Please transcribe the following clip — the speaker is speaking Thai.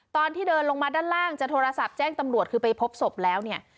ตอนที่เดินลงมาด้านล่างจะโทรศัพท์แจ้งตำรวจคือไปพบศพแล้วเนี่ย